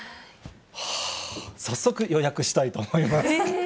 はー、早速予約したいと思います。